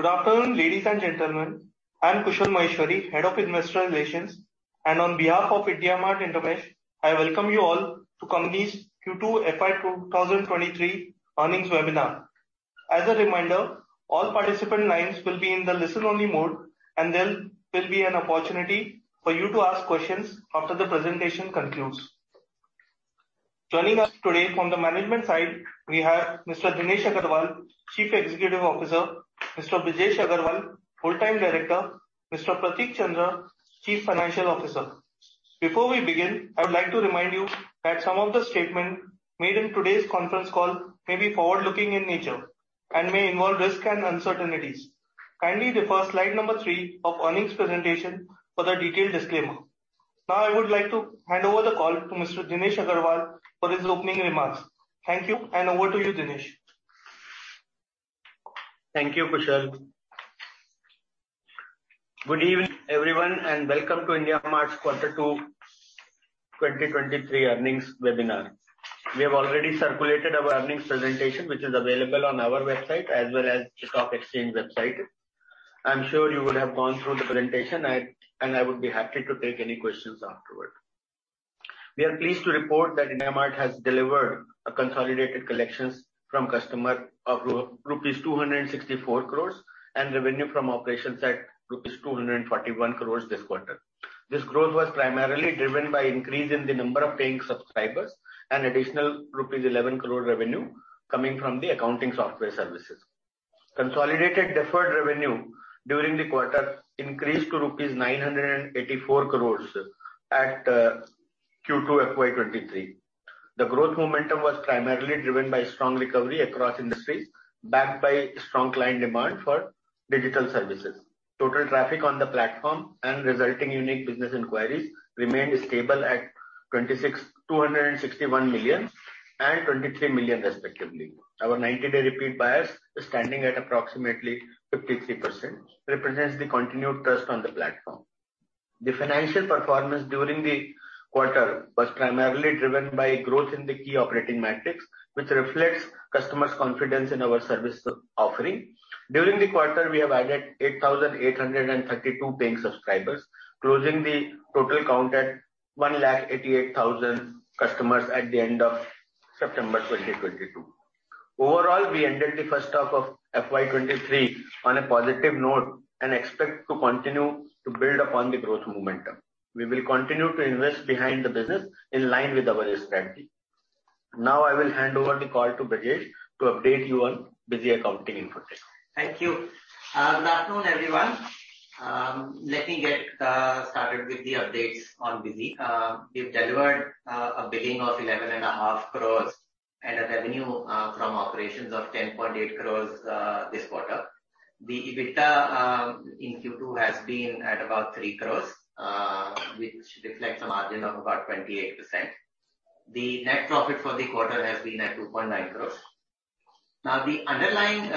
Good afternoon, ladies and gentlemen. I'm Kushal Maheshwari, Head of Investor Relations, and on behalf of IndiaMART InterMESH, I welcome you all to company's Q2 FY 2023 earnings webinar. As a reminder, all participant lines will be in the listen-only mode, and there will be an opportunity for you to ask questions after the presentation concludes. Joining us today from the management side, we have Mr. Dinesh Agarwal, Chief Executive Officer, Mr. Brijesh Agrawal, Full-Time Director, Mr. Prateek Chandra, Chief Financial Officer. Before we begin, I would like to remind you that some of the statement made in today's conference call may be forward-looking in nature and may involve risks and uncertainties. Kindly refer slide number three of earnings presentation for the detailed disclaimer. Now I would like to hand over the call to Mr. Dinesh Agarwal for his opening remarks. Thank you, and over to you, Dinesh. Thank you, Kushal. Good evening, everyone, and welcome to IndiaMART's Quarter two 2023 Earnings Webinar. We have already circulated our earnings presentation, which is available on our website as well as the stock exchange website. I'm sure you would have gone through the presentation, and I would be happy to take any questions afterward. We are pleased to report that IndiaMART has delivered a consolidated collections from customer of rupees 264 crore and revenue from operations at rupees 241 crore this quarter. This growth was primarily driven by increase in the number of paying subscribers and additional rupees 11 crore revenue coming from the Accounting Software Services. Consolidated deferred revenue during the quarter increased to rupees 984 crore at Q2 FY 2023. The growth momentum was primarily driven by strong recovery across industries, backed by strong client demand for digital services. Total traffic on the platform and resulting unique business inquiries remained stable at 261 million and 23 million respectively. Our 90-day repeat buyers standing at approximately 53% represents the continued trust on the platform. The financial performance during the quarter was primarily driven by growth in the key operating metrics, which reflects customers' confidence in our service offering. During the quarter, we have added 8,832 paying subscribers, closing the total count at 188,000 customers at the end of September 2022. Overall, we ended the first half of FY 2023 on a positive note and expect to continue to build upon the growth momentum. We will continue to invest behind the business in line with our strategy. Now I will hand over the call to Brijesh to update you on Busy Infotech. Thank you. Good afternoon, everyone. Let me get started with the updates on BUSY. We've delivered a billing of 11.5 crores and a revenue from operations of 10.8 crores this quarter. The EBITDA in Q2 has been at about 3 crores, which reflects a margin of about 28%. The net profit for the quarter has been at 2.9 crores. Now, the underlying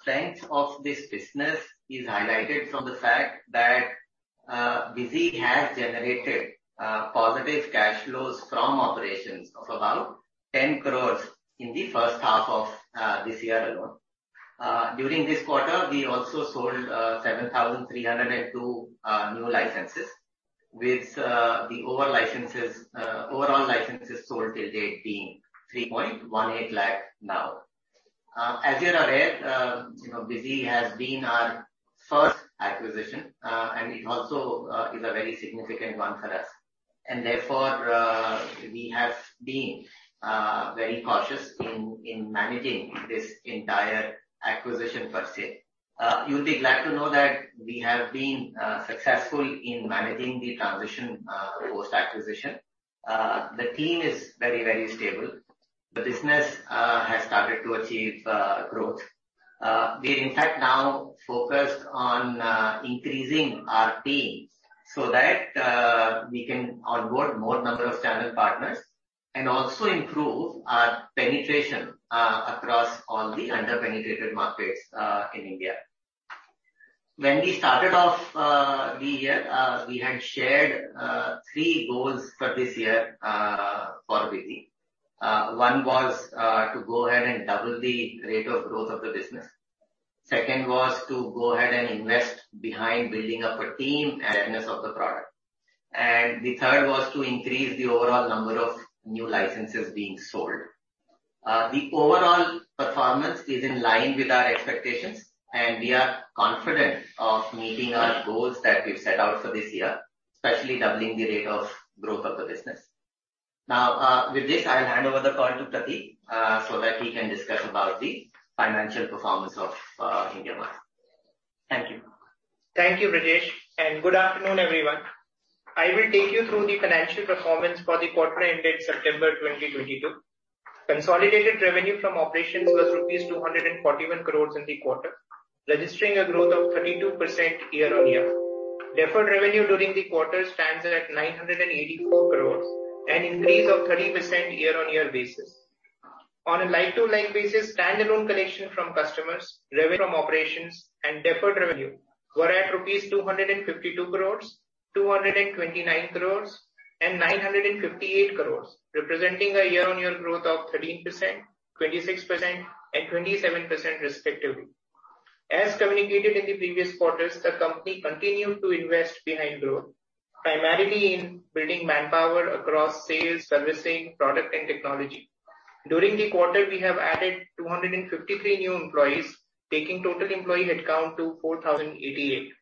strength of this business is highlighted from the fact that BUSY has generated positive cash flows from operations of about 10 crores in the first half of this year alone. During this quarter, we also sold 7,302 new licenses with the overall licenses sold till date being 3.18 lakh now. As you're aware, you know, BUSY has been our first acquisition, and it also is a very significant one for us. Therefore, we have been very cautious in managing this entire acquisition per se. You'll be glad to know that we have been successful in managing the transition post-acquisition. The team is very, very stable. The business has started to achieve growth. We're in fact now focused on increasing our team so that we can onboard more number of channel partners and also improve our penetration across all the under-penetrated markets in India. When we started off the year, we had shared three goals for this year for BUSY. One was to go ahead and double the rate of growth of the business. Second was to go ahead and invest behind building up a team and awareness of the product. The third was to increase the overall number of new licenses being sold. The overall performance is in line with our expectations, and we are confident of meeting our goals that we've set out for this year, especially doubling the rate of growth of the business. Now, with this, I'll hand over the call to Prateek, so that he can discuss about the financial performance of IndiaMART. Thank you. Thank you, Brijesh. Good afternoon, everyone. I will take you through the financial performance for the quarter ended September 2022. Consolidated revenue from operations was rupees 241 crores in the quarter, registering a growth of 32% year-on-year. Deferred revenue during the quarter stands at 984 crores, an increase of 30% year-on-year basis. On a like-for-like basis, standalone collection from customers, revenue from operations and deferred revenue were at rupees 252 crores, 229 crores and 958 crores, representing a year-on-year growth of 13%, 26%, and 27% respectively. As communicated in the previous quarters, the company continued to invest behind growth, primarily in building manpower across sales, servicing, product and technology. During the quarter, we have added 253 new employees, taking total employee headcount to 4,088.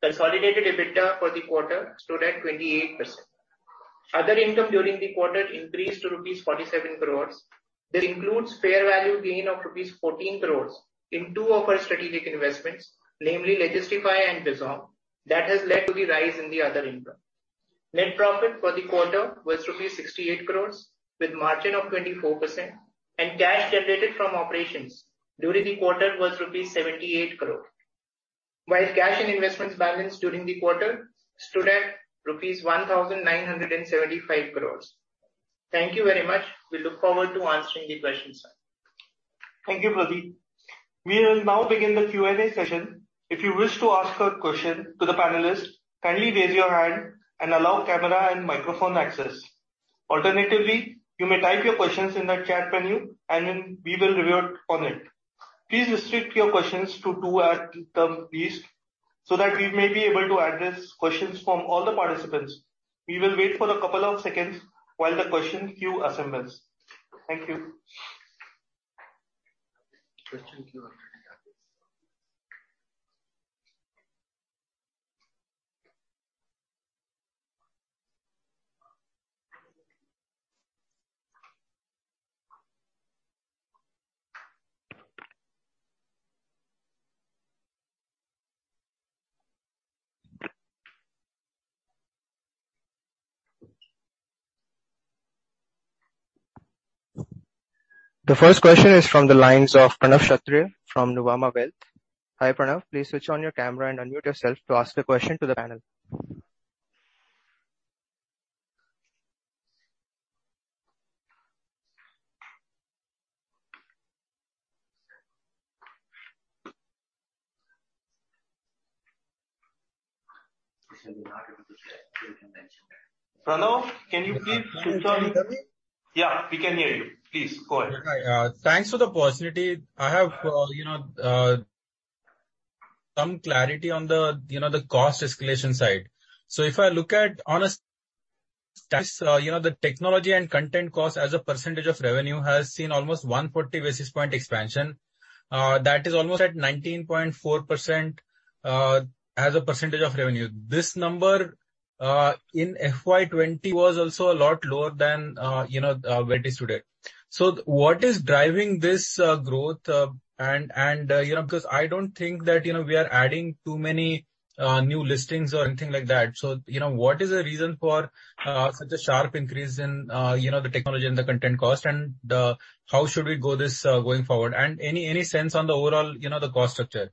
Consolidated EBITDA for the quarter stood at 28%. Other income during the quarter increased to rupees 47 crore. This includes fair value gain of rupees 14 crore in two of our strategic investments, namely Legistify and Bizom, that has led to the rise in the other income. Net profit for the quarter was INR 68 crore with margin of 24%. Cash generated from operations during the quarter was rupees 78 crores, while cash and investments balance during the quarter stood at rupees 1,975 crores. Thank you very much. We look forward to answering the questions now. Thank you, Prateek Chandra. We will now begin the Q&A session. If you wish to ask a question to the panelist, kindly raise your hand and allow camera and microphone access. Alternatively, you may type your questions in the chat menu and then we will revert on it. Please restrict your questions to two at a time, please, so that we may be able to address questions from all the participants. We will wait for a couple of seconds while the question queue assembles. Thank you. Question queue. The first question is from the lines of Pranav Kshatriya from Nuvama Wealth. Hi, Pranav, please switch on your camera and unmute yourself to ask the question to the panel. Pranav, can you please switch on? Can you hear me? Yeah, we can hear you. Please go ahead. Hi. Thanks for the opportunity. I have, you know, some clarity on the, you know, the cost escalation side. If I look at the technology and content cost as a percentage of revenue has seen almost 140 basis points expansion. That is almost at 19.4%, as a percentage of revenue. This number in FY 2020 was also a lot lower than, you know, where it is today. What is driving this growth? Because I don't think that, you know, we are adding too many new listings or anything like that. What is the reason for such a sharp increase in, you know, the technology and the content cost, and how should we view this going forward? Any sense on the overall, you know, the cost structure.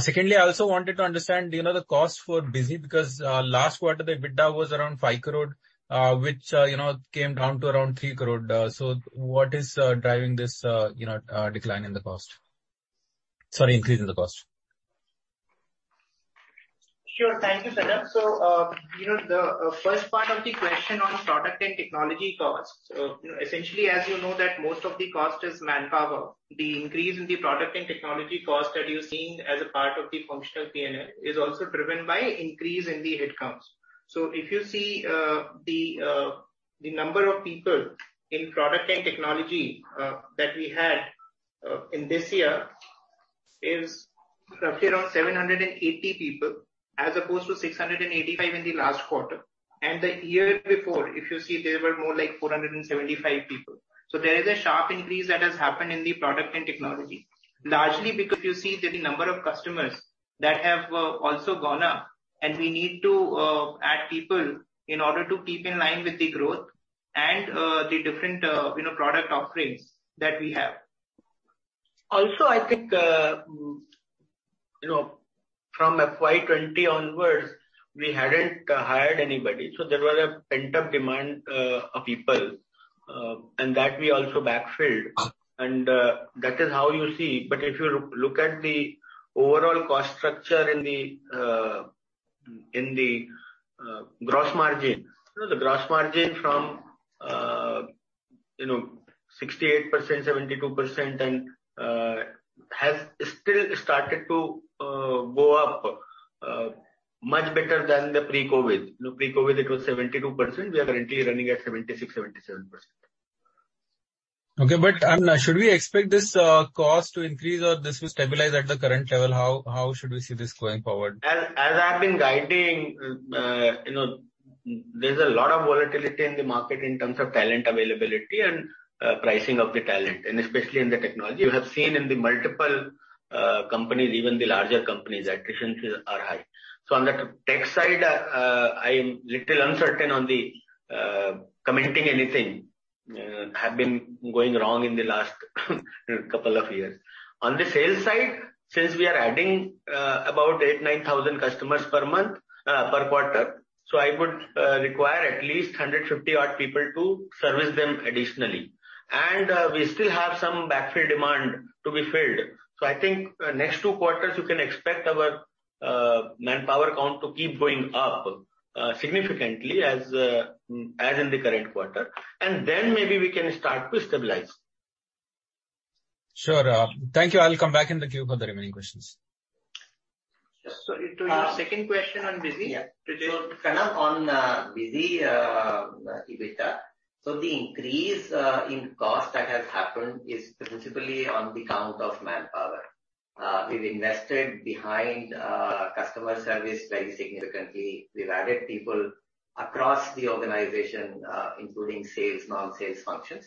Secondly, I also wanted to understand, you know, the costs for BUSY because last quarter the EBITDA was around 5 crore, which, you know, came down to around 3 crore. What is driving this, you know, decline in the cost? Sorry, increase in the cost. Sure. Thank you, Pranav. You know, the first part of the question on product and technology costs. You know, essentially as you know that most of the cost is manpower. The increase in the product and technology cost that you're seeing as a part of the functional P&L is also driven by increase in the headcounts. If you see, the number of people in product and technology that we had in this year is roughly around 780 people as opposed to 685 in the last quarter. The year before, if you see, there were more like 475 people. There is a sharp increase that has happened in the product and technology, largely because you see that the number of customers that have also gone up and we need to add people in order to keep in line with the growth and the different, you know, product offerings that we have. Also, I think, you know, from FY 2020 onwards, we hadn't hired anybody, so there was a pent-up demand of people, and that we also backfilled. That is how you see. If you look at the overall cost structure in the gross margin. You know, the gross margin from, you know, 68%, 72% and has still started to go up much better than the pre-COVID. You know, pre-COVID it was 72%. We are currently running at 76%-77%. Okay, should we expect this cost to increase or this will stabilize at the current level? How should we see this going forward? As I've been guiding, you know, there's a lot of volatility in the market in terms of talent availability and pricing of the talent, and especially in the technology. You have seen in the multiple companies, even the larger companies, attritions are high. On the tech side, I'm little uncertain on the commenting anything have been going wrong in the last couple of years. On the sales side, since we are adding about 8,000, 9,000 customers per month per quarter, I would require at least 150 odd people to service them additionally. We still have some backfill demand to be filled. I think next two quarters you can expect our manpower count to keep going up significantly as in the current quarter. Then maybe we can start to stabilize. Sure. Thank you. I'll come back in the queue for the remaining questions. To your second question on BUSY. Yeah. Pranav, on BUSY EBITDA. The increase in cost that has happened is principally on account of manpower. We've invested behind customer service very significantly. We've added people across the organization, including sales, non-sales functions,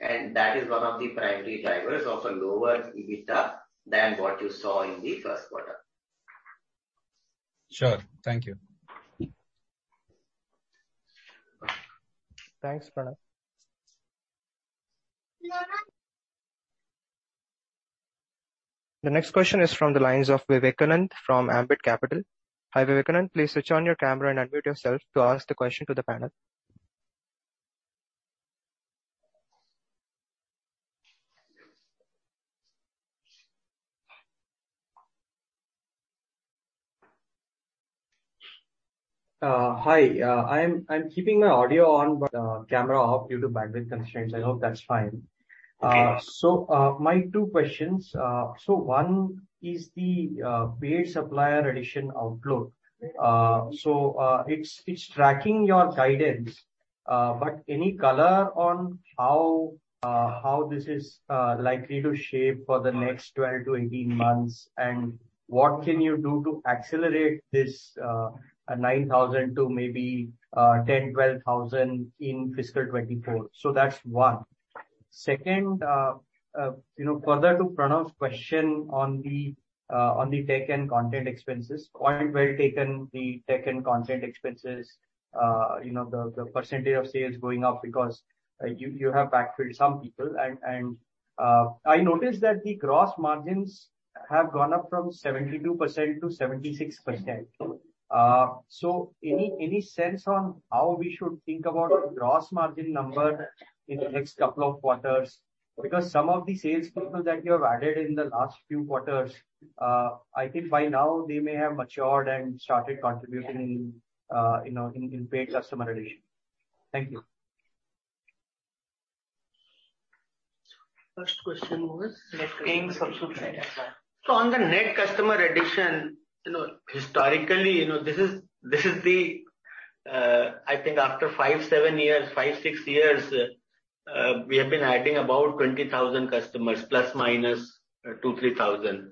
and that is one of the primary drivers of a lower EBITDA than what you saw in the first quarter. Sure. Thank you. Thanks, Pranav. The next question is from the lines of Vivekanand from Ambit Capital. Hi, Vivekanand, please switch on your camera and unmute yourself to ask the question to the panel. Hi. I'm keeping my audio on, but camera off due to bandwidth constraints. I hope that's fine. Yes. My two questions. One is the paid supplier addition outlook. It's tracking your guidance. But any color on how this is likely to shape for the next 12-18 months, and what can you do to accelerate this 9,000 to maybe 10,000-12,000 in fiscal 2024? That's one. Second, you know, further to Pranav's question on the tech and content expenses. Point well taken, the tech and content expenses, you know, the percentage of sales going up because you have backfilled some people. I noticed that the gross margins have gone up from 72%-76%. Any sense on how we should think about gross margin number in the next couple of quarters? Because some of the sales people that you have added in the last few quarters, I think by now they may have matured and started contributing, you know, in paid customer addition. Thank you. First question was. On the net customer addition, you know, historically, you know, this is the, I think after five to six years, we have been adding about 20,000 customers plus minus 2,000-3,000.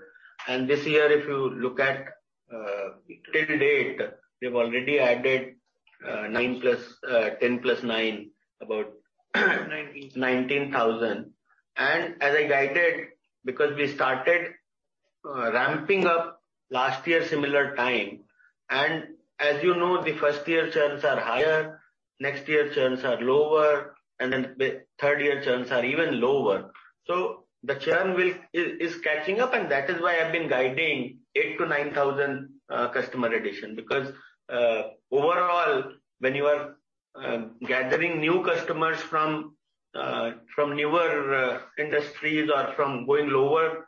This year, if you look at to date, we've already added 10 + 9. 19,000. 19,000. As I guided, because we started ramping up last year similar time, and as you know, the first year churns are higher, next year churns are lower, and then the third year churns are even lower. The churn is catching up and that is why I've been guiding 8,000-9,000 customer addition. Because overall, when you are gathering new customers from newer industries or from going lower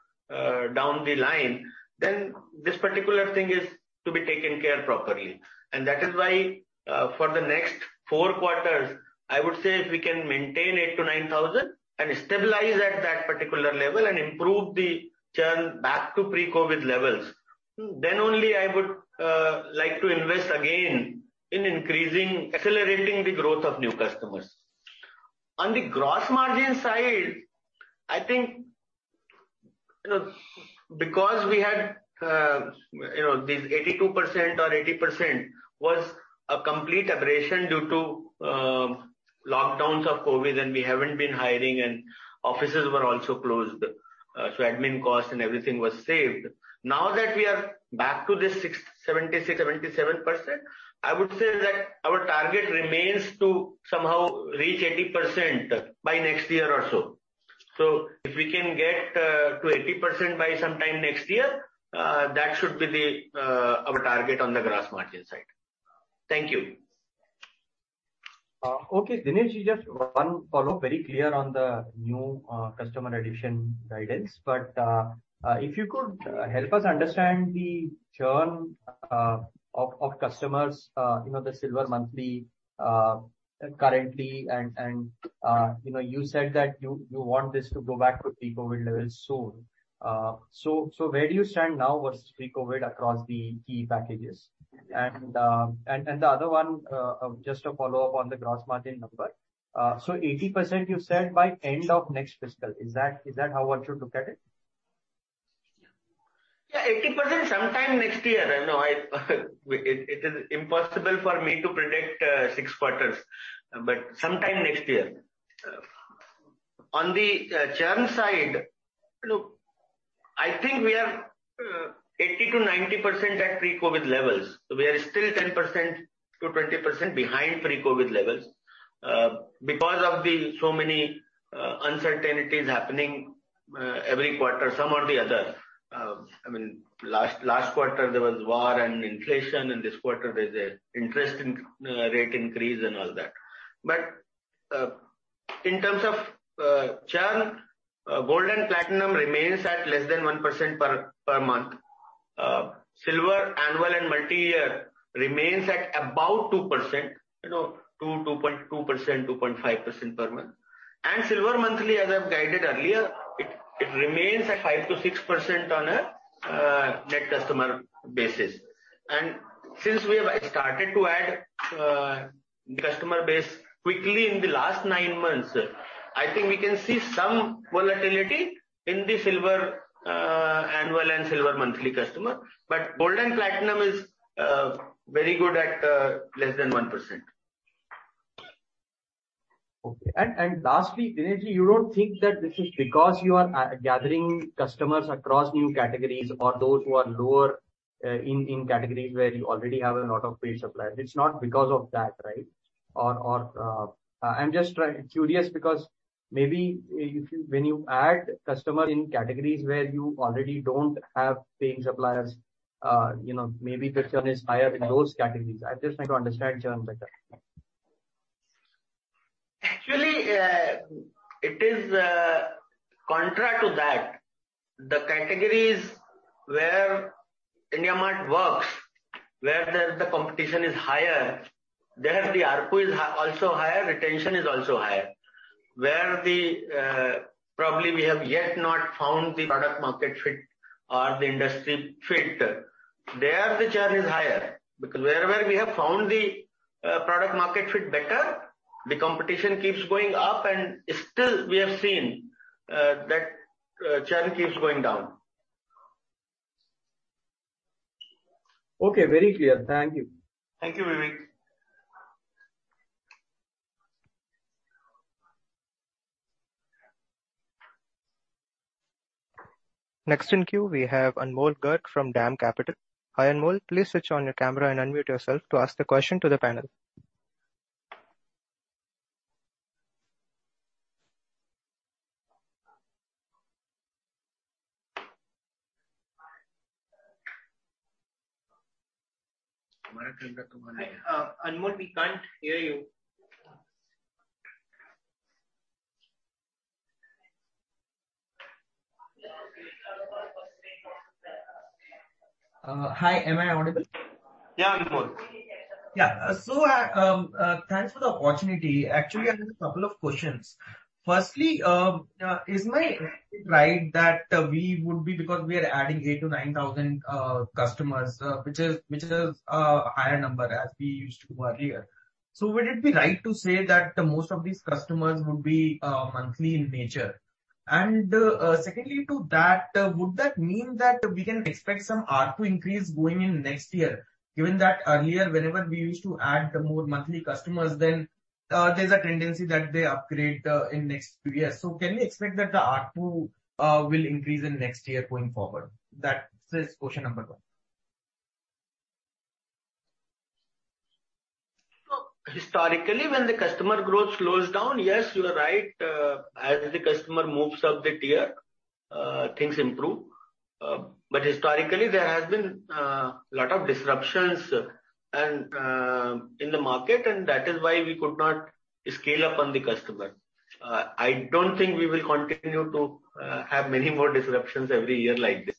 down the line, then this particular thing is to be taken care properly. That is why, for the next four quarters, I would say if we can maintain 8,000-9,000 and stabilize at that particular level and improve the churn back to pre-COVID levels, then only I would like to invest again in increasing, accelerating the growth of new customers. On the gross margin side, I think, you know, because we had, you know, this 82% or 80% was a complete aberration due to COVID lockdowns, and we haven't been hiring and offices were also closed. Admin costs and everything was saved. Now that we are back to this 76%-77%, I would say that our target remains to somehow reach 80% by next year or so. If we can get to 80% by sometime next year, that should be our target on the gross margin side. Thank you. Okay. Dinesh, just one follow-up. Very clear on the new customer addition guidance. If you could help us understand the churn of customers, you know, the Silver Monthly currently, and you know, you said that you want this to go back to pre-COVID levels soon. Where do you stand now versus pre-COVID across the key packages? The other one, just a follow-up on the gross margin number. 80% you said by end of next fiscal. Is that how one should look at it? Yeah, 80% sometime next year. You know, it is impossible for me to predict six quarters, but sometime next year. On the churn side, look, I think we are 80%-90% at pre-COVID levels. We are still 10%-20% behind pre-COVID levels because of the so many uncertainties happening every quarter, some or the other. I mean, last quarter there was war and inflation, and this quarter there's an interest rate increase and all that. In terms of churn, gold and platinum remains at less than 1% per month. Silver annual and multi-year remains at about 2%. You know, 2.2%, 2.5% per month. Silver monthly, as I've guided earlier, it remains at 5%-6% on a net customer basis. Since we have started to add customer base quickly in the last nine months, I think we can see some volatility in the silver annual and silver monthly customer. Gold and platinum is very good at less than 1%. Okay. Lastly, Dinesh ji, you don't think that this is because you are gathering customers across new categories or those who are lower in categories where you already have a lot of paid suppliers. It's not because of that, right? Or, I'm just curious because maybe if you, when you add customer in categories where you already don't have paying suppliers, you know, maybe the churn is higher in those categories. I just want to understand churn better. Actually, it is contrary to that. The categories where IndiaMART works, where the competition is higher, there the ARPU is also higher, retention is also higher. Where the probably we have yet not found the product market fit or the industry fit, there the churn is higher. Because wherever we have found the product market fit better, the competition keeps going up, and still we have seen that churn keeps going down. Okay. Very clear. Thank you. Thank you, Vivek. Next in queue we have Anmol Garg from DAM Capital. Hi, Anmol. Please switch on your camera and unmute yourself to ask the question to the panel. Hi. Anmol, we can't hear you. Hi. Am I audible? Yeah, Anmol. Yeah, thanks for the opportunity. Actually, I have a couple of questions. Firstly, is it right that we would be, because we are adding 8,000-9,000 customers, which is higher number than we used to earlier. Would it be right to say that most of these customers would be monthly in nature? Secondly, to that, would that mean that we can expect some ARPU increase going into next year, given that earlier, whenever we used to add more monthly customers then, there's a tendency that they upgrade in next few years. Can we expect that the ARPU will increase in next year going forward? That is question number one. Historically, when the customer growth slows down, yes, you are right. As the customer moves up the tier, things improve. Historically there has been lot of disruptions and in the market, and that is why we could not scale up on the customer. I don't think we will continue to have many more disruptions every year like this.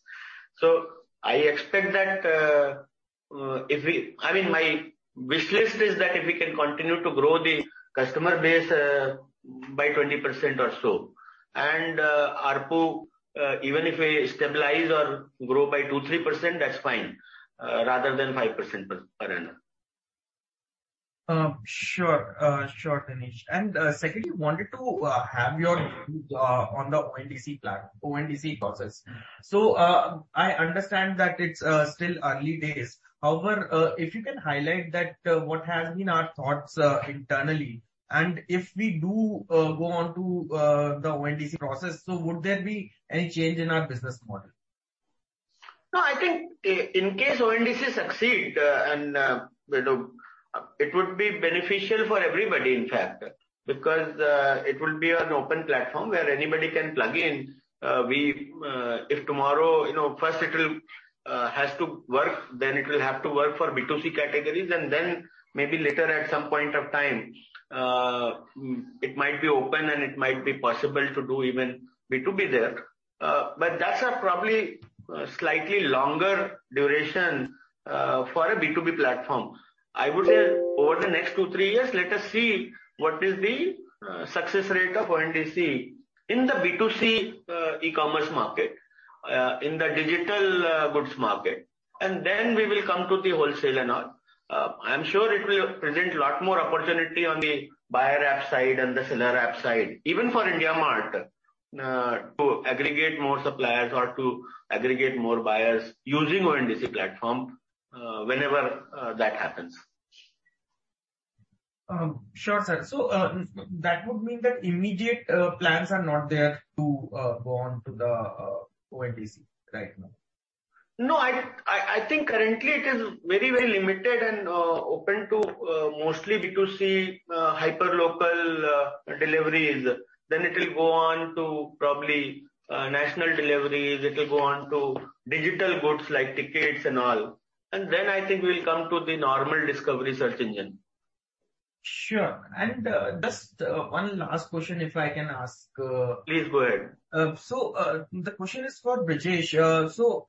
I expect that, I mean, my wish list is that if we can continue to grow the customer base by 20% or so. ARPU, even if we stabilize or grow by 2%-3%, that's fine, rather than 5% per annum. Sure, Dinesh. Secondly, wanted to have your view on the ONDC process. I understand that it's still early days. However, if you can highlight that what has been our thoughts internally, and if we do go on to the ONDC process, so would there be any change in our business model? No, I think in case ONDC succeed, you know, it would be beneficial for everybody in fact, because it will be an open platform where anybody can plug in. We, if tomorrow, you know, first it'll has to work, then it will have to work for B2C categories, and then maybe later at some point of time, it might be open and it might be possible to do even B2B there. But that's a probably slightly longer duration for a B2B platform. I would say over the next two, three years, let us see what is the success rate of ONDC in the B2C e-commerce market in the digital goods market. Then we will come to the wholesale and all. I'm sure it will present lot more opportunity on the buyer app side and the seller app side, even for IndiaMART, to aggregate more suppliers or to aggregate more buyers using ONDC platform, whenever that happens. Sure, sir. That would mean that immediate plans are not there to go on to the ONDC right now. No, I think currently it is very, very limited and open to mostly B2C hyperlocal deliveries. It'll go on to probably national deliveries. It'll go on to digital goods like tickets and all. I think we'll come to the normal discovery search engine. Sure. Just one last question if I can ask. Please go ahead. The question is for Brijesh.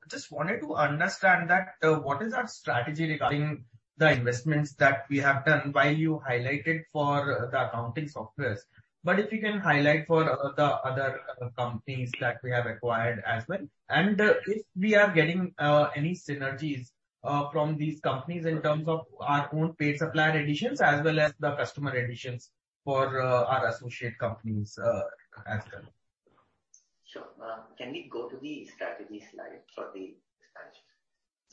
Just wanted to understand that, what is our strategy regarding the investments that we have done while you highlighted for the accounting softwares. If you can highlight for the other companies that we have acquired as well. If we are getting any synergies from these companies in terms of our own paid supplier additions as well as the customer additions for our associate companies as well. Can we go to the strategy slide for the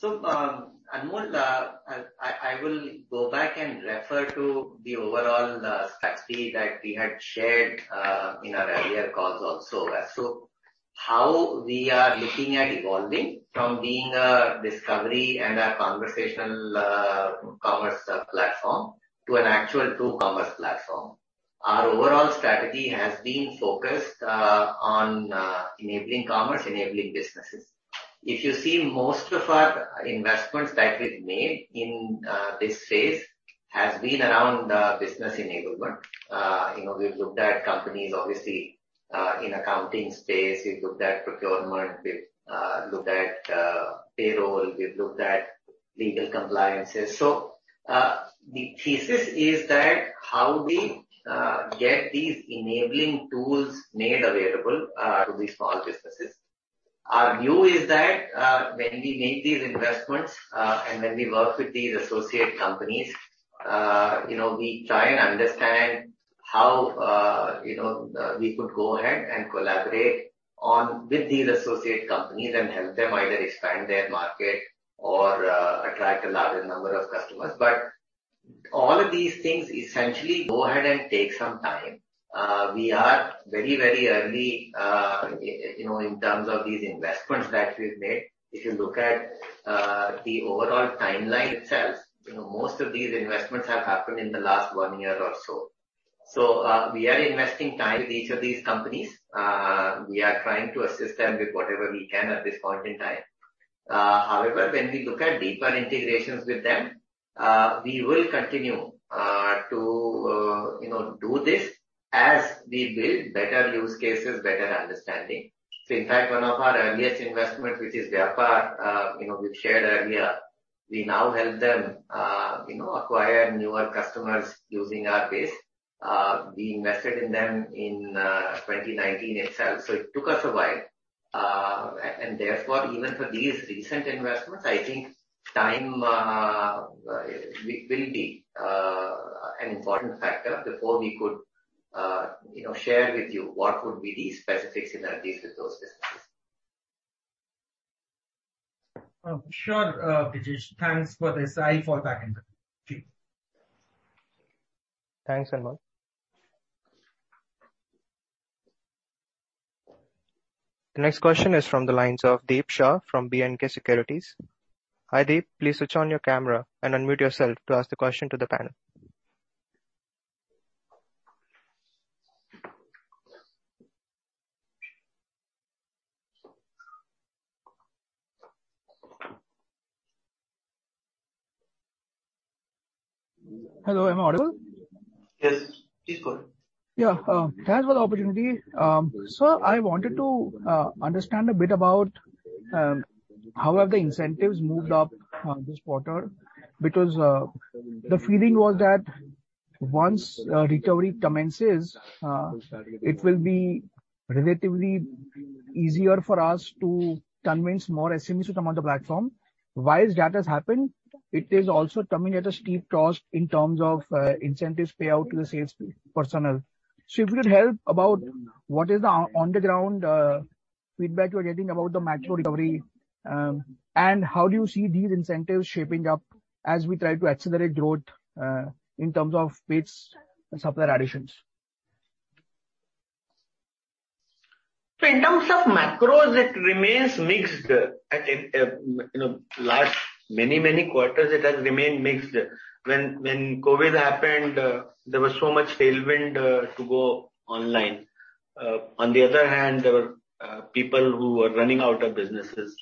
discussion? Anmol, I will go back and refer to the overall strategy that we had shared in our earlier calls also. How we are looking at evolving from being a discovery and a conversational commerce platform to an actual true commerce platform. Our overall strategy has been focused on enabling commerce, enabling businesses. If you see most of our investments that we've made in this phase has been around business enablement. You know, we've looked at companies obviously in accounting space. We've looked at procurement. We've looked at payroll. We've looked at legal compliances. The thesis is that how we get these enabling tools made available to the small businesses. Our view is that, when we make these investments, and when we work with these associate companies, you know, we try and understand how, you know, we could go ahead and collaborate on with these associate companies and help them either expand their market or attract a larger number of customers. All of these things essentially go ahead and take some time. We are very, very early, you know, in terms of these investments that we've made. If you look at the overall timeline itself, you know, most of these investments have happened in the last one year or so. We are investing time with each of these companies. We are trying to assist them with whatever we can at this point in time. However, when we look at deeper integrations with them, we will continue to you know do this as we build better use cases, better understanding. In fact, one of our earliest investments, which is Vyapar, you know, we've shared earlier, we now help them you know acquire newer customers using our base. We invested in them in 2019 itself, so it took us a while. Therefore, even for these recent investments, I think time will be an important factor before we could you know share with you what would be the specific synergies with those businesses. Sure, Brijesh. Thanks for this. I'll fall back into queue. Thanks, Anmol. The next question is from the lines of Deep Shah from B&K Securities. Hi, Deep. Please switch on your camera and unmute yourself to ask the question to the panel. Hello, am I audible? Yes, please go ahead. Yeah. Thanks for the opportunity. I wanted to understand a bit about how have the incentives moved up this quarter? Because the feeling was that once recovery commences, it will be relatively easier for us to convince more SMEs to come on the platform. While that has happened, it is also coming at a steep cost in terms of incentives payout to the sales personnel. If you could help about what is the on the ground feedback you're getting about the macro recovery, and how do you see these incentives shaping up as we try to accelerate growth in terms of bids and supplier additions. In terms of macros, it remains mixed. You know, last many quarters it has remained mixed. When COVID-19 happened, there was so much tailwind to go online. On the other hand, there were people who were running out of businesses.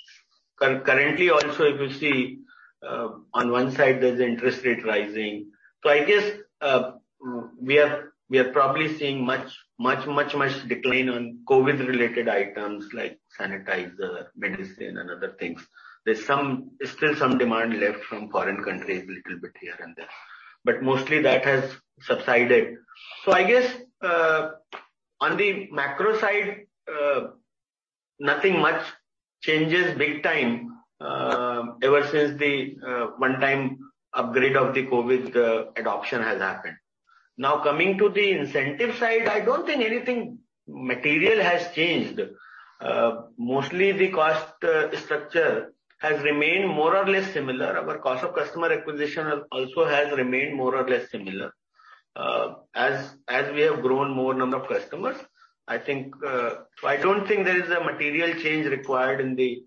Concurrently also, if you see, on one side there's interest rates rising. I guess, we are probably seeing much decline on COVID-19-related items like sanitizer, medicine and other things. There's still some demand left from foreign countries, little bit here and there, but mostly that has subsided. I guess, on the macro side, nothing much changes big time, ever since the one-time upgrade of the COVID-19 adoption has happened. Now coming to the incentive side, I don't think anything material has changed. Mostly the cost structure has remained more or less similar. Our cost of customer acquisition has also remained more or less similar. As we have grown more number of customers, I think, I don't think there is a material change required in the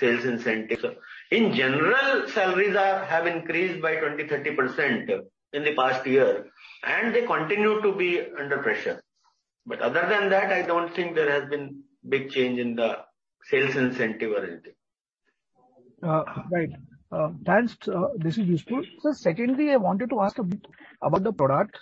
sales incentive. In general, salaries have increased by 20%-30% in the past year, and they continue to be under pressure. Other than that, I don't think there has been big change in the sales incentive or anything. Right. Thanks. This is useful. Secondly, I wanted to ask a bit about the product.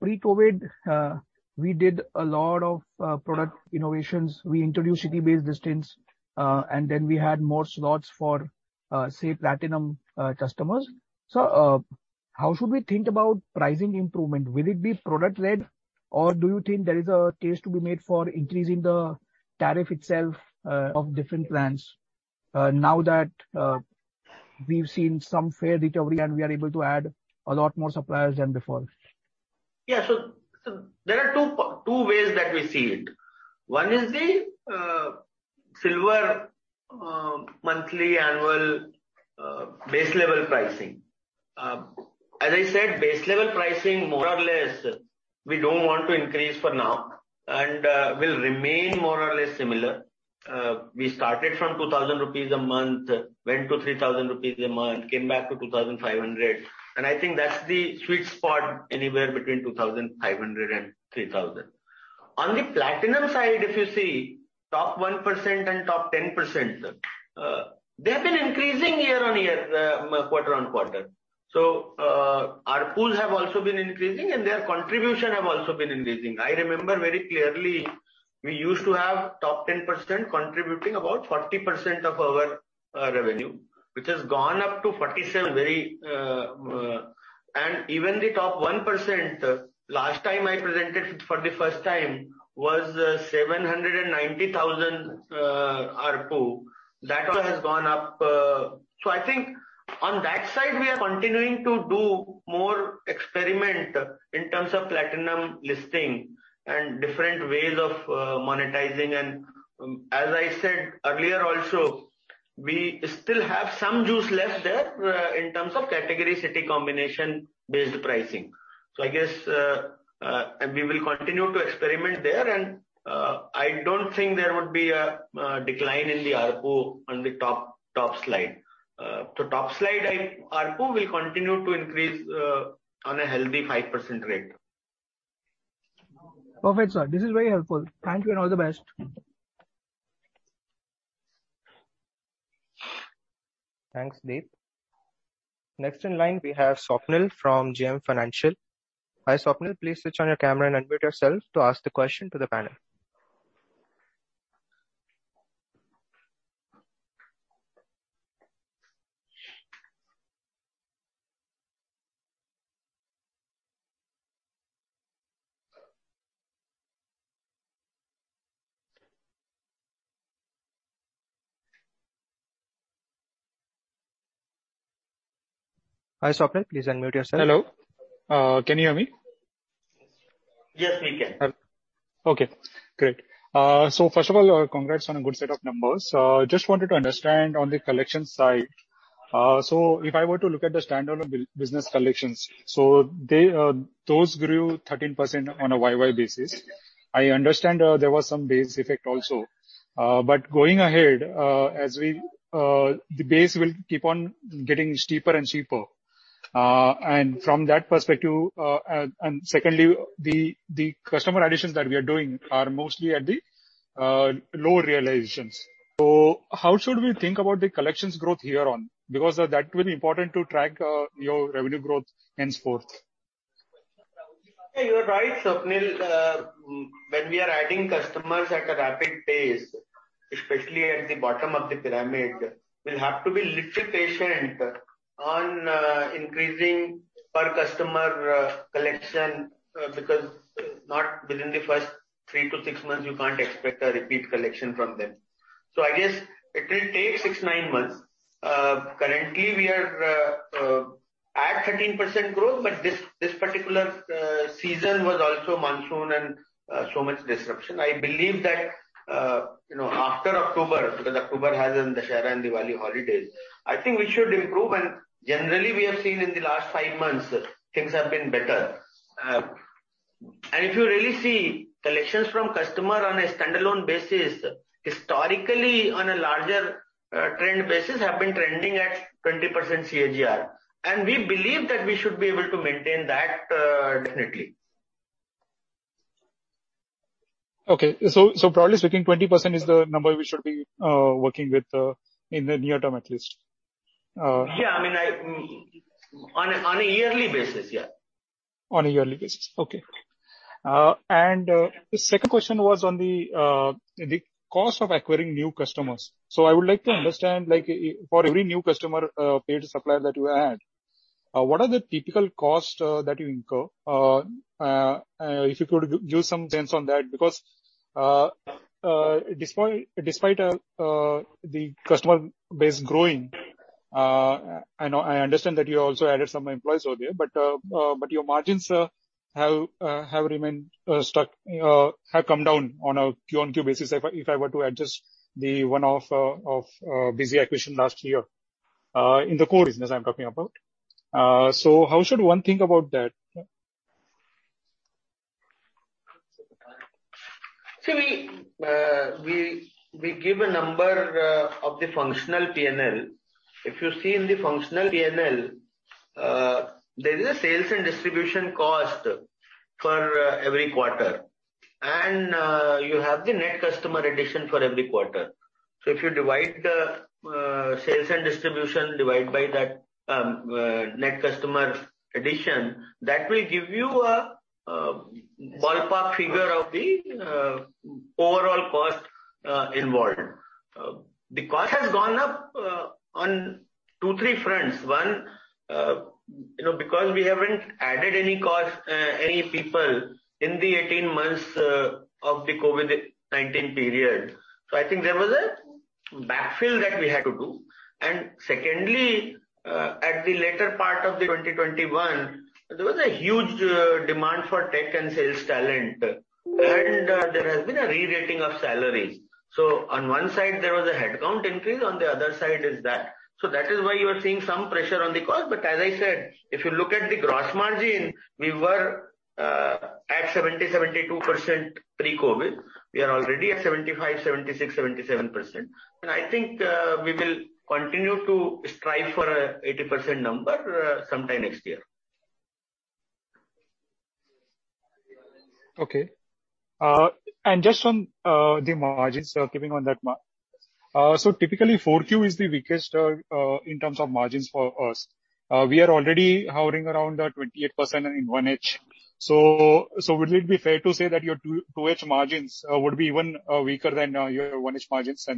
Pre-COVID, we did a lot of product innovations. We introduced city-based distance, and then we had more slots for, say, platinum customers. How should we think about pricing improvement? Will it be product led, or do you think there is a case to be made for increasing the tariff itself, of different plans, now that we've seen some fair recovery and we are able to add a lot more suppliers than before? There are two ways that we see it. One is the silver monthly annual base level pricing. As I said, base level pricing more or less, we don't want to increase for now and will remain more or less similar. We started from 2,000 rupees a month, went to 3,000 rupees a month, came back to 2,500 rupees, and I think that's the sweet spot, anywhere between 2,500 and 3,000. On the platinum side, if you see top 1% and top 10%, they have been increasing year-on-year, quarter-on-quarter. Our pools have also been increasing and their contribution have also been increasing. I remember very clearly we used to have top 10% contributing about 40% of our revenue, which has gone up to 47%. Even the top 1%, last time I presented for the first time was 790,000 ARPU. That has gone up. I think on that side, we are continuing to do more experiment in terms of platinum listing and different ways of monetizing. As I said earlier also, we still have some juice left there in terms of category city combination-based pricing. I guess and we will continue to experiment there and I don't think there would be a decline in the ARPU on the top tier. Top tier ARPU will continue to increase on a healthy 5% rate. Perfect, sir. This is very helpful. Thank you and all the best. Thanks, Deep. Next in line we have Swapnil from JM Financial. Hi, Swapnil, please switch on your camera and unmute yourself to ask the question to the panel. Hi, Swapnil, please unmute yourself. Hello. Can you hear me? Yes, we can. Okay, great. First of all, congrats on a good set of numbers. Just wanted to understand on the collection side. If I were to look at the standalone business collections, those grew 13% on a YoY basis. I understand there was some base effect also. Going ahead, the base will keep on getting steeper and steeper. From that perspective, secondly, the customer additions that we are doing are mostly at the lower realizations. How should we think about the collections growth here on? Because that will be important to track your revenue growth henceforth. Yeah, you're right, Swapnil. When we are adding customers at a rapid pace, especially at the bottom of the pyramid, we'll have to be little patient on increasing per customer collection because not within the first three to six months you can't expect a repeat collection from them. I guess it will take six to nine months. Currently we are at 13% growth, but this particular season was also monsoon and so much disruption. I believe that, you know, after October, because October has the Dussehra and Diwali holidays, I think we should improve. Generally we have seen in the last five months things have been better. If you really see collections from customer on a standalone basis, historically on a larger trend basis have been trending at 20% CAGR. We believe that we should be able to maintain that, definitely. Okay. Broadly speaking, 20% is the number we should be working with in the near term at least. Yeah. I mean, on a yearly basis, yeah. On a yearly basis. Okay. The second question was on the cost of acquiring new customers. I would like to understand, for every new customer, paid supplier that you add, what are the typical costs that you incur? If you could give some sense on that, because, despite the customer base growing, I know, I understand that you also added some employees over there, but your margins have remained stuck, have come down on a Q-on-Q basis if I were to adjust the one-off of BUSY acquisition last year, in the core business I'm talking about. How should one think about that? See, we give a number of the functional P&L. If you see in the functional P&L, there is a sales and distribution cost for every quarter. You have the net customer addition for every quarter. If you divide the sales and distribution by that net customer addition, that will give you a ballpark figure of the overall cost involved. The cost has gone up on two to three fronts. One, you know, because we haven't added any cost, any people in the 18-months of the COVID-19 period. I think there was a backfill that we had to do. Secondly, at the later part of the 2021, there was a huge demand for tech and sales talent, and there has been a rerating of salaries. On one side there was a headcount increase, on the other side is that. That is why you are seeing some pressure on the cost. But as I said, if you look at the gross margin, we were at 70%-72% pre-COVID. We are already at 75%-76%-77%. I think we will continue to strive for 80% number sometime next year. Okay. Just on the margins, keeping on that note. Typically 4Q is the weakest in terms of margins for us. We are already hovering around 28% in 1H. Would it be fair to say that your 2H margins would be even weaker than your 1H margins?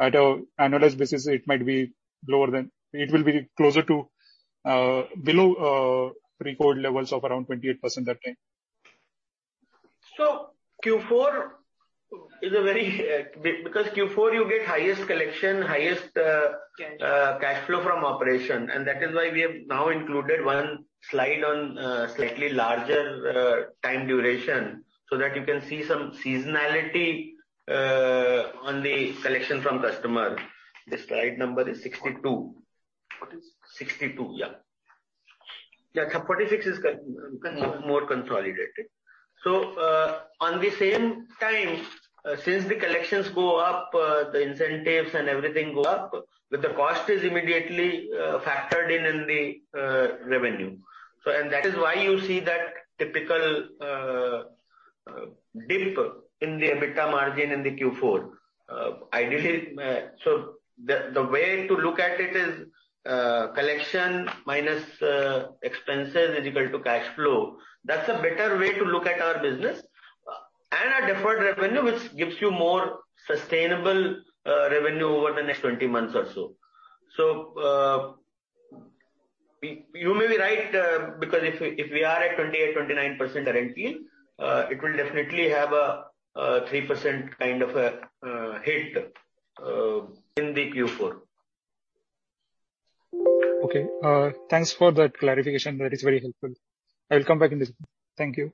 At an annualized basis it might be lower than pre-COVID levels of around 28% that time. It will be closer to below pre-COVID levels of around 28% that time. Q4 is a very because Q4 you get highest collection. Cash. Cash flow from operations. That is why we have now included one slide on slightly larger time duration, so that you can see some seasonality on the collections from customers. The slide number is 62. What is? 62, yeah. Yeah, 46 is more consolidated, More consolidated. On the same time, since the collections go up, the incentives and everything go up, but the cost is immediately factored in in the revenue. That is why you see that typical dip in the EBITDA margin in the Q4. Ideally, the way to look at it is, collections minus expenses is equal to cash flow. That's a better way to look at our business. Our deferred revenue, which gives you more sustainable revenue over the next 20-months or so. You may be right, because if we are at 28%-29% currently, it will definitely have a 3% kind of a hit in the Q4. Okay. Thanks for that clarification. That is very helpful. I will come back in this. Thank you.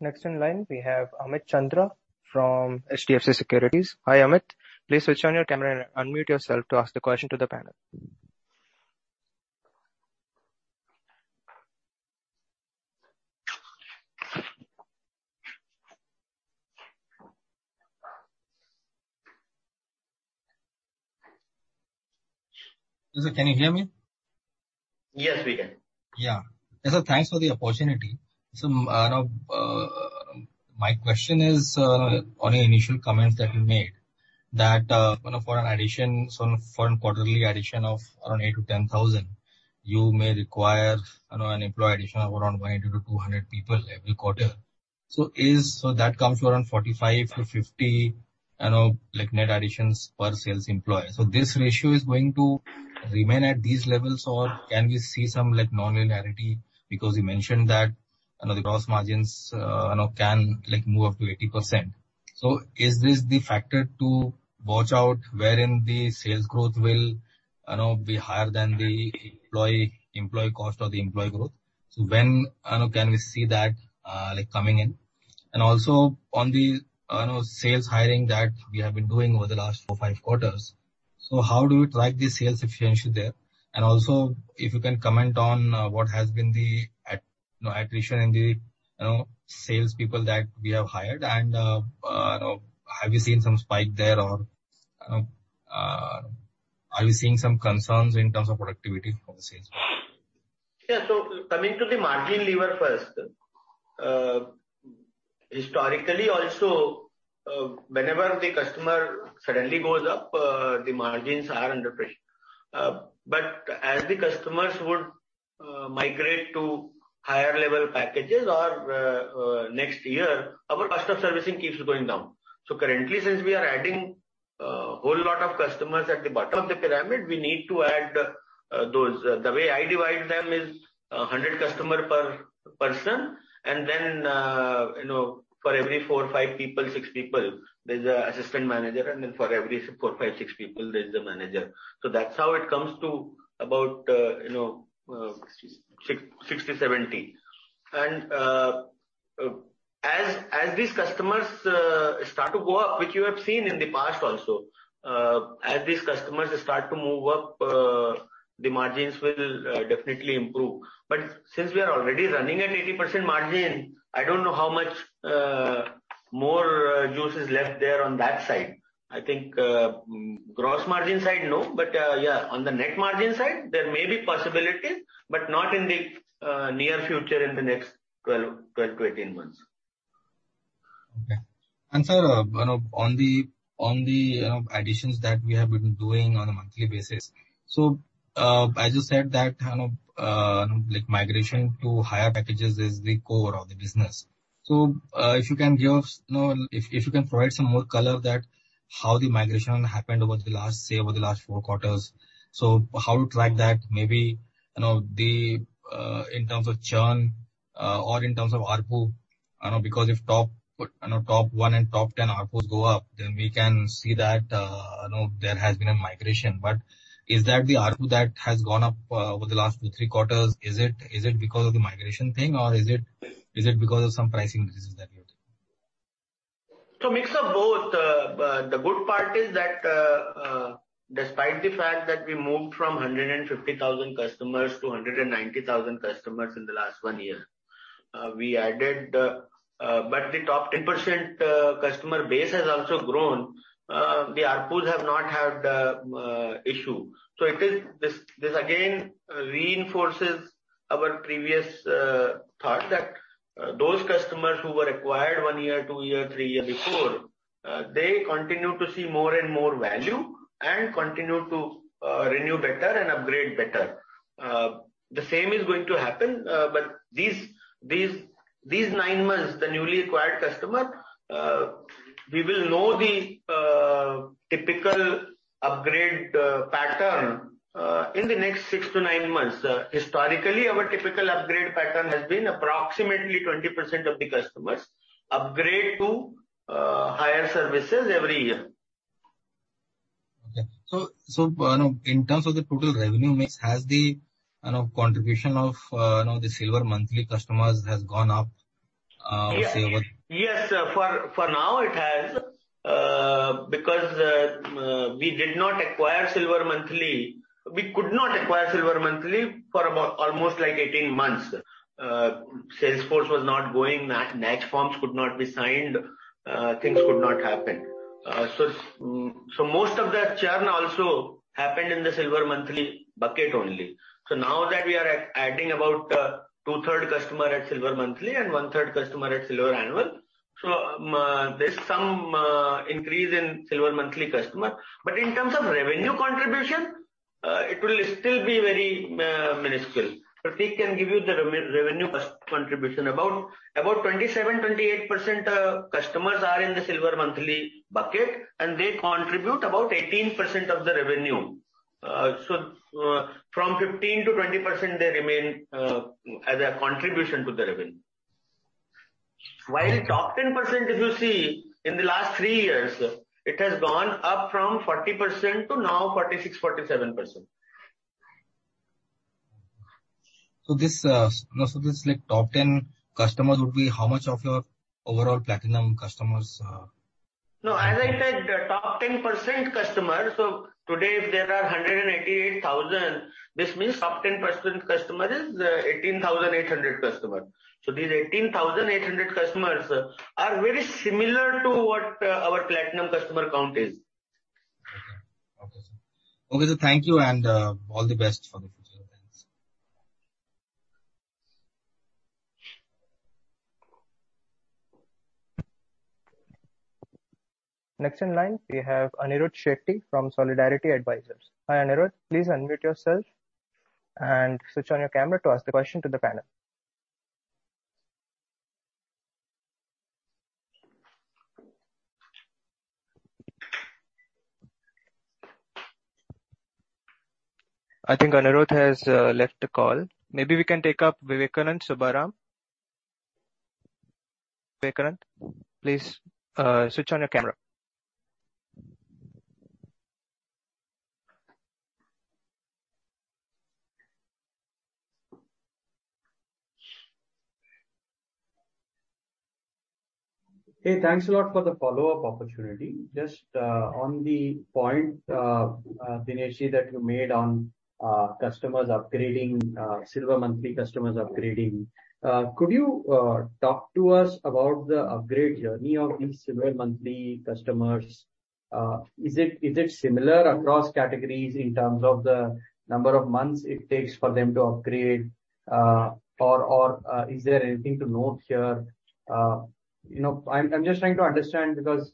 Next in line, we have Amit Chandra from HDFC Securities. Hi, Amit. Please switch on your camera and unmute yourself to ask the question to the panel. Sir, can you hear me? Yes, we can. Yeah. Thanks for the opportunity. My question is on your initial comments that you made, that you know, for an addition, so for a quarterly addition of around 8,000-10,000, you may require you know, an employee addition of around 100-200 people every quarter. That comes to around 45-50, you know, like net additions per sales employee. This ratio is going to remain at these levels or can we see some like nonlinearity, because you mentioned that you know, the gross margins you know, can like move up to 80%. Is this the factor to watch out wherein the sales growth will you know, be higher than the employee cost or the employee growth? When you know, can we see that like, coming in? Also on the, you know, sales hiring that we have been doing over the last four, five quarters. How do you track the sales efficiency there? If you can comment on what has been the attrition in the, you know, sales people that we have hired and have you seen some spike there or are we seeing some concerns in terms of productivity for the sales? Yeah. Coming to the margin lever first. Historically also, whenever the customer suddenly goes up, the margins are under pressure. But as the customers would migrate to higher level packages or next year, our cost of servicing keeps going down. Currently since we are adding a whole lot of customers at the bottom of the pyramid, we need to add those. The way I divide them is 100 customer per person. And then, you know, for every four, five people, six people, there's an assistant manager. And then for every four, five, six people, there's a manager. That's how it comes to about, you know. 60, 70. As these customers start to go up, which you have seen in the past also, as these customers start to move up, the margins will definitely improve. Since we are already running at 80% margin, I don't know how much more juice is left there on that side. I think, gross margin side, no. Yeah, on the net margin side, there may be possibility, but not in the near future in the next 12-18 months. Okay. Sir, you know, on the additions that we have been doing on a monthly basis. As you said that, you know, like migration to higher packages is the core of the business. If you can provide some more color on how the migration happened over the last four quarters. How to track that? Maybe, you know, in terms of churn or in terms of ARPU. I know because if top one and top ten ARPU go up, then we can see that, you know, there has been a migration. Is that the ARPU that has gone up over the last two, three quarters? Is it because of the migration thing or is it because of some pricing increases that you're doing? Mix of both. The good part is that, despite the fact that we moved from 150,000 customers to 190,000 customers in the last one year, but the top 10% customer base has also grown. The ARPUs have not had issue. It is this. This again reinforces our previous thought that those customers who were acquired one year, two year, three year before, they continue to see more and more value and continue to renew better and upgrade better. The same is going to happen, but these nine months, the newly acquired customer, we will know the typical upgrade pattern in the next six to nine months. Historically, our typical upgrade pattern has been approximately 20% of the customers upgrade to higher services every year. You know, in terms of the total revenue mix, has the, you know, contribution of, you know, the silver monthly customers has gone up, say over. Yes. For now it has. Because we did not acquire silver monthly. We could not acquire silver monthly for about almost like 18 months. Salesforce was not going. NACH forms could not be signed. Things could not happen. So most of that churn also happened in the silver monthly bucket only. Now that we are adding about two-thirds customers at silver monthly and one-third customers at silver annual. There's some increase in silver monthly customers. But in terms of revenue contribution, it will still be very minuscule. Prateek can give you the revenue contribution. About 27%-28% of customers are in the silver monthly bucket, and they contribute about 18% of the revenue. From 15%-20% they remain as a contribution to the revenue. While the top 10%, if you see, in the last three years, it has gone up from 40% to now 46%-47%. This like top ten customers would be how much of your overall platinum customers? No, as I said, top 10% customers. Today if there are 188,000, this means top 10% customer is 18,800 customers. These 18,800 customers are very similar to what our platinum customer count is. Okay, sir. Thank you and all the best for the future. Thanks. Next in line, we have Anirudh Shetty from Solidarity Advisers. Hi, Anirudh. Please unmute yourself and switch on your camera to ask the question to the panel. I think Anirudh has left the call. Maybe we can take up Vivekanand Subbaraman. Vivekananda, please switch on your camera. Hey, thanks a lot for the follow-up opportunity. Just on the point, Dinesh, that you made on customers upgrading, silver monthly customers upgrading. Could you talk to us about the upgrade journey of these silver monthly customers? Is it similar across categories in terms of the number of months it takes for them to upgrade? Or is there anything to note here? You know, I'm just trying to understand because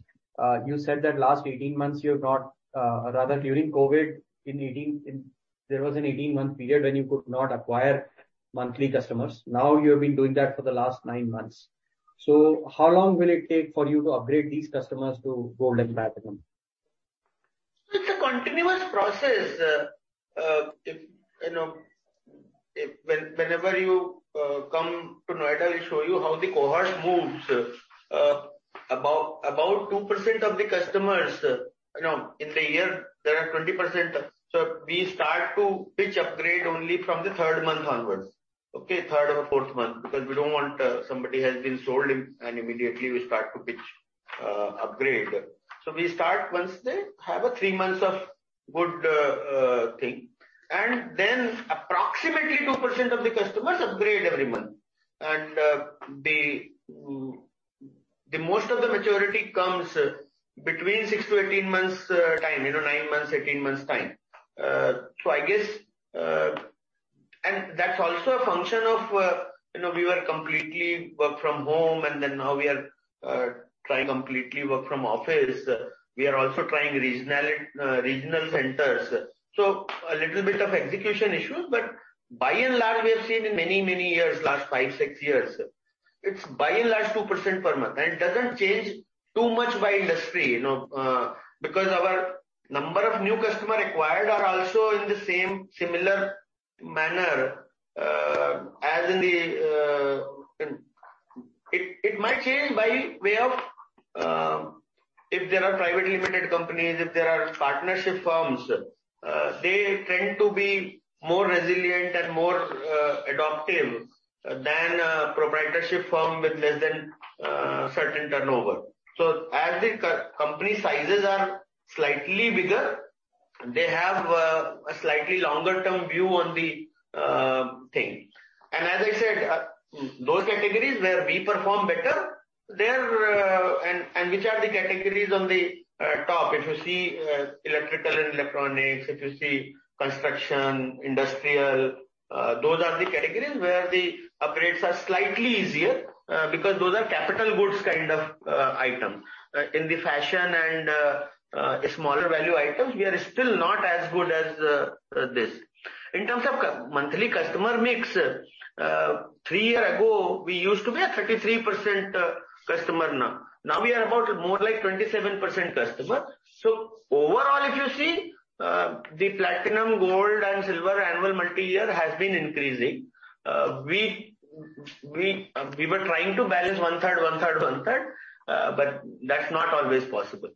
you said that last 18-months you have not, rather during COVID there was an 18-month period when you could not acquire monthly customers. Now you have been doing that for the last nine months. How long will it take for you to upgrade these customers to gold and platinum? It's a continuous process. If, you know, if whenever you come to Noida, we show you how the cohort moves. About 2% of the customers, you know, in the year there are 20%. We start to pitch upgrade only from the third month onwards. Okay. Third or fourth month, because we don't want somebody has been sold and immediately we start to pitch upgrade. We start once they have three months of good thing, and then approximately 2% of the customers upgrade every month. The most of the maturity comes between six to 18-months time. You know, nine months, 18-months time. I guess. That's also a function of, you know, we were completely work from home and then now we are trying completely work from office. We are also trying regional centers. A little bit of execution issues, but by and large, we have seen in many years, last five, six years, it's by and large 2% per month. It doesn't change too much by industry, you know, because our number of new customer acquired are also in the same similar manner, as in the. It might change by way of, if there are private limited companies, if there are partnership firms, they tend to be more resilient and more adaptive than a proprietorship firm with less than certain turnover. As the company sizes are slightly bigger, they have a slightly longer term view on the thing. As I said, those categories where we perform better there, and which are the categories on the top. If you see, electrical and electronics, if you see construction, industrial, those are the categories where the upgrades are slightly easier, because those are capital goods kind of item. In the fashion and smaller value items, we are still not as good as this. In terms of cumulative monthly customer mix, three years ago, we used to be at 33% customer now. Now we are about more like 27% customer. Overall, if you see, the Platinum, Gold and Silver annual multi-year has been increasing. We were trying to balance 1/3, 1/3, 1/3, but that's not always possible.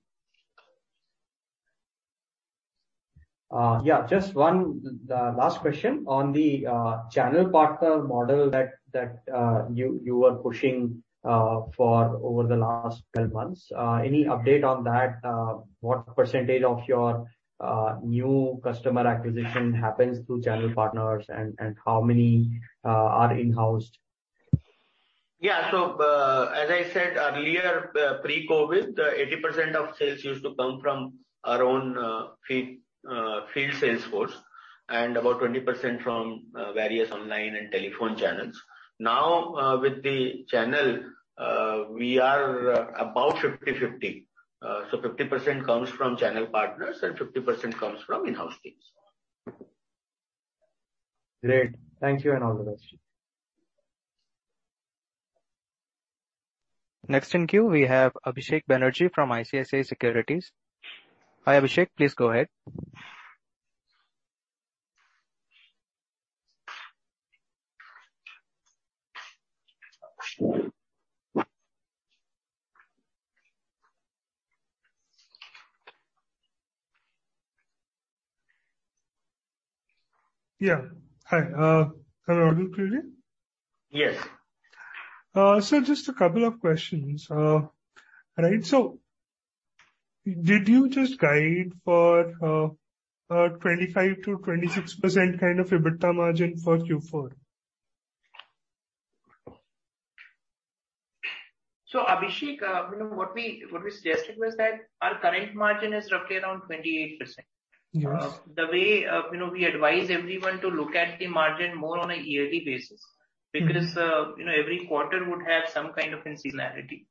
Yeah, just one last question on the channel partner model that you were pushing for over the last 12-months. Any update on that? What percentage of your new customer acquisition happens through channel partners and how many are in-house? Yeah. As I said earlier, pre-COVID, 80% of sales used to come from our own field sales force, and about 20% from various online and telephone channels. Now, with the channel, we are about 50-50. 50% comes from channel partners and 50% comes from in-house teams. Great. Thank you and all the best. Next in queue, we have Abhishek Banerjee from ICICI Securities. Hi, Abhisek, please go ahead. Yeah. Hi. Hello, audible, clearly. Yes. Just a couple of questions. Right. Did you just guide for 25%-26% kind of EBITDA margin for Q4? Abhishek, you know, what we suggested was that our current margin is roughly around 28%. Yes. The way, you know, we advise everyone to look at the margin more on a yearly basis. Mm-hmm. You know, every quarter would have some kind of seasonality.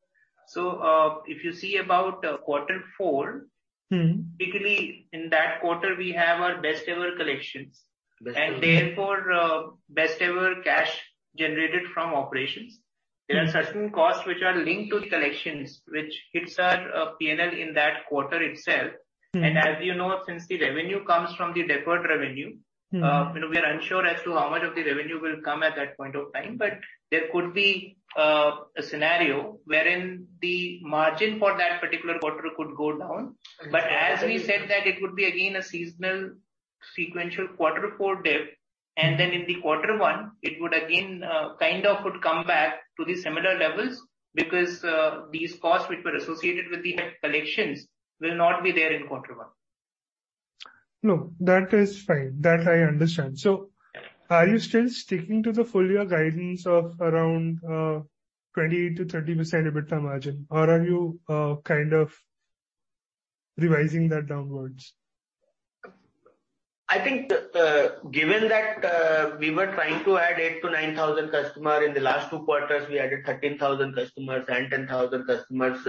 If you see about quarter four-. Mm-hmm. Typically in that quarter we have our best ever collections. Best ever. best ever cash generated from operations. Yeah. There are certain costs which are linked to the collections, which hits our P&L in that quarter itself. Mm-hmm. As you know, since the revenue comes from the deferred revenue. Mm-hmm. You know, we are unsure as to how much of the revenue will come at that point of time, but there could be a scenario wherein the margin for that particular quarter could go down. Exactly. As we said that it would be again a seasonal sequential quarter four dip, and then in the quarter one it would again, kind of would come back to the similar levels because these costs which were associated with the collections will not be there in quarter one. No, that is fine. That I understand. Are you still sticking to the full year guidance of around 20%-30% EBITDA margin? Or are you kind of revising that downwards? I think, given that, we were trying to add 8,000-9,000 customer. In the last two quarters we added 13,000 customers and 10,000 customers,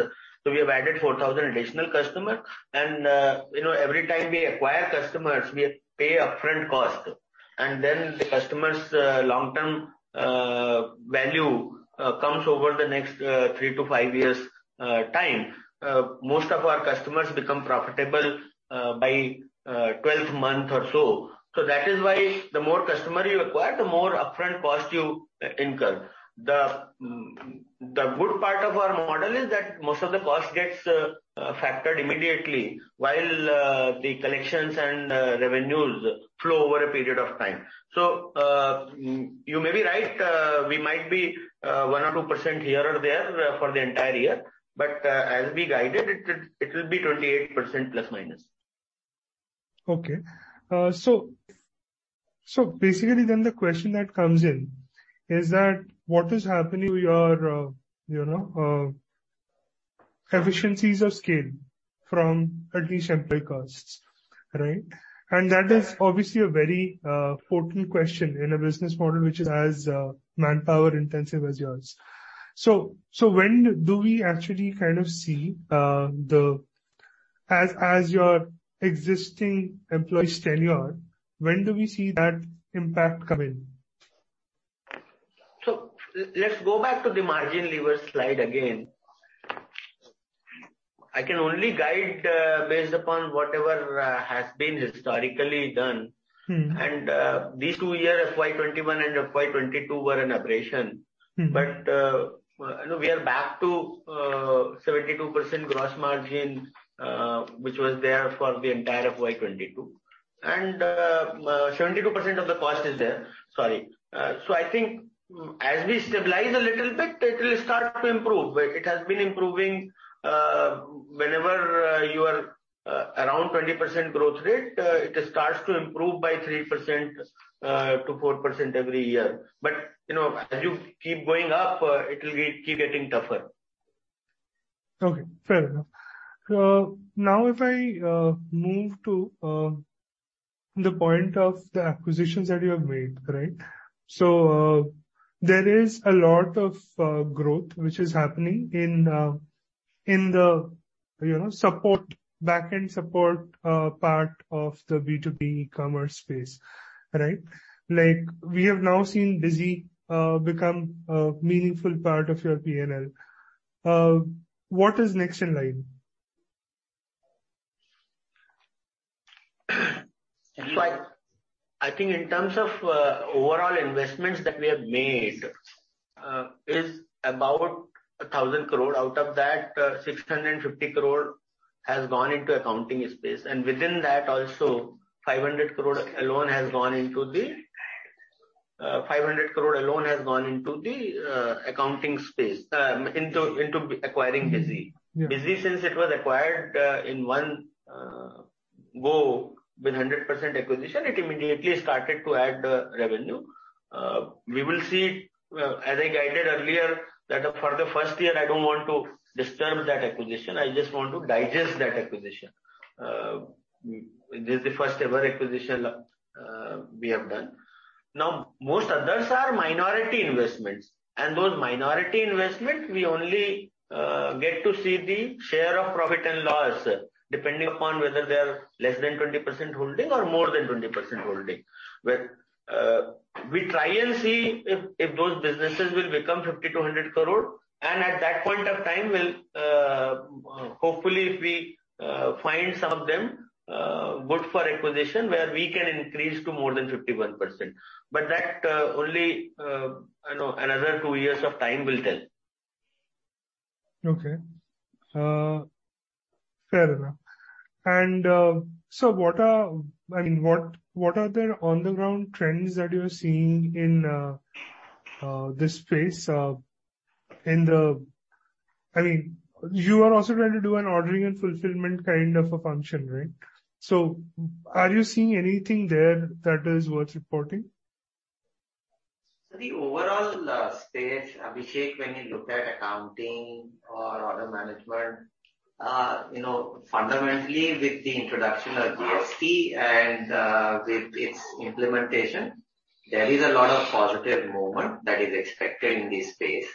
so we have added 4,000 additional customer. You know, every time we acquire customers, we pay upfront cost and then the customers, long-term value, comes over the next three to five years time. Most of our customers become profitable, by 12th-month or so. That is why the more customer you acquire, the more upfront cost you incur. The good part of our model is that most of the cost gets factored immediately while the collections and revenues flow over a period of time. You may be right, we might be 1% or 2% here or there for the entire year, but as we guided it will be 28% plus minus. Okay. Basically the question that comes in is that what is happening with your, you know, economies of scale from at least employee costs, right? That is obviously a very important question in a business model which is as manpower intensive as yours. When do we actually kind of see, as your existing employees' tenure, when do we see that impact come in? Let's go back to the margin lever slide again. I can only guide based upon whatever has been historically done. Mm-hmm. These two years, FY 2021 and FY 2022 were an aberration. Mm-hmm. you know we are back to 72% gross margin, which was there for the entire FY 2022. 72% of the cost is there. Sorry. so I think as we stabilize a little bit, it will start to improve. it has been improving. whenever you are around 20% growth rate, it starts to improve by 3%-4% every year. you know, as you keep going up, it will keep getting tougher. Okay, fair enough. Now if I move to the point of the acquisitions that you have made, right? There is a lot of growth which is happening in the, you know, support, back-end support, part of the B2B e-commerce space, right? Like, we have now seen BUSY become a meaningful part of your P&L. What is next in line? I think in terms of overall investments that we have made is about 1,000 crore. Out of that, 650 crore has gone into accounting space. Within that also, 500 crore alone has gone into the accounting space, into acquiring BUSY. Yeah. BUSY, since it was acquired, in one go with 100% acquisition, it immediately started to add the revenue. We will see, as I guided earlier, that for the first year I don't want to disturb that acquisition. I just want to digest that acquisition. This is the first-ever acquisition we have done. Now, most others are minority investments, and those minority investment, we only get to see the share of P&L depending upon whether they are less than 20% holding or more than 20% holding. Where we try and see if those businesses will become 50 crore-100 crore. At that point of time we'll hopefully if we find some of them good for acquisition, where we can increase to more than 51%. That only, you know, another two years of time will tell. Okay. Fair enough. I mean, what are the on-the-ground trends that you are seeing in this space? I mean, you are also trying to do an ordering and fulfillment kind of a function, right? Are you seeing anything there that is worth reporting? The overall space, Abhishek, when you look at accounting or order management, you know, fundamentally with the introduction of GST and with its implementation, there is a lot of positive movement that is expected in this space.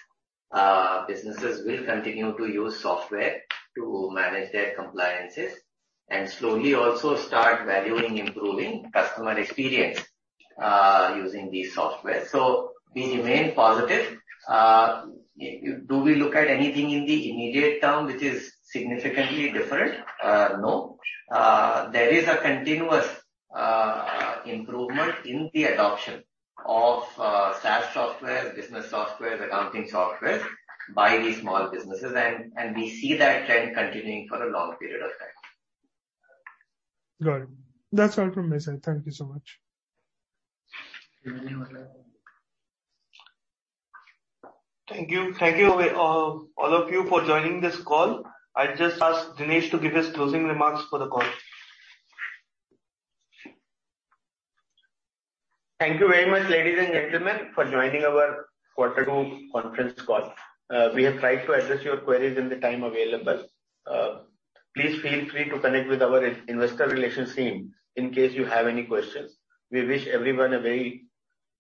Businesses will continue to use software to manage their compliances and slowly also start valuing improving customer experience, using these software. We remain positive. Do we look at anything in the immediate term which is significantly different? No. There is a continuous improvement in the adoption of SaaS software, business software, accounting software by these small businesses and we see that trend continuing for a long period of time. Got it. That's all from my side. Thank you so much. Thank you. Thank you. Thank you, all of you for joining this call. I'll just ask Dinesh to give his closing remarks for the call. Thank you very much, ladies and gentlemen, for joining our quarter two conference call. We have tried to address your queries in the time available. Please feel free to connect with our investor relations team in case you have any questions. We wish everyone a very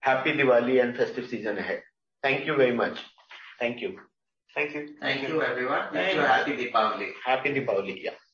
happy Diwali and festive season ahead. Thank you very much. Thank you. Thank you. Thank you everyone. Wish you happy Deepawali. Happy Deepawali. Yeah.